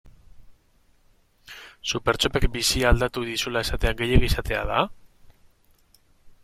Supertxopek bizitza aldatu dizula esatea gehiegi esatea da?